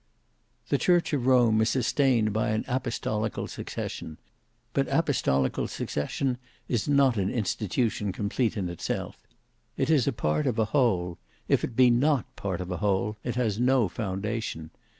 The church of Rome is sustained by apostolical succession; but apostolical succession is not an institution complete in itself; it is a part of a whole; if it be not part of a whole it has no foundation.